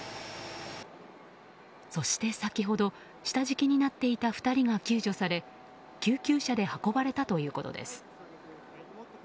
そして先ほど下敷きになっていた２人が救助され救急車で運ばれたということです。